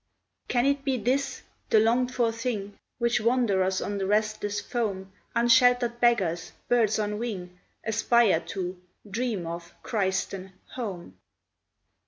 Can it be this, the longed for thing Which wanderers on the restless foam, Unsheltered beggars, birds on wing, Aspire to, dream of, christen "Home"?